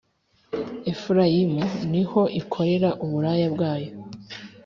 Efurayimu ni ho ikorera uburaya bwayo,